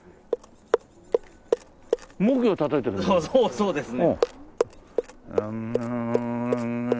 そうですね。